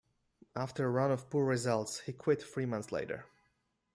After a run of poor results he quit three months later.